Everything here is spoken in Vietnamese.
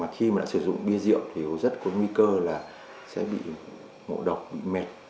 khi mà sử dụng bia rượu thì rất có nguy cơ là sẽ bị ngội độc bị mệt